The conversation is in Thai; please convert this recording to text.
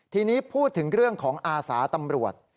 ทีนี้พูดถึงเรื่องของอาสาตำรวจ